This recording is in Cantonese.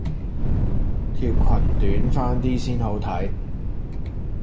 條群短翻啲先好睇